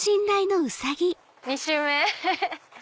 ２周目。